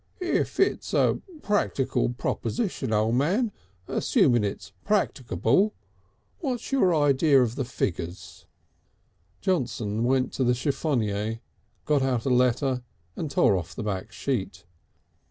"If it's a practable proposition, O' Man. Assuming it's practable. What's your idea of the figures?" Johnson went to the chiffonier, got out a letter and tore off the back sheet.